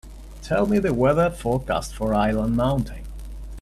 Tell me the weather forecast for Island Mountain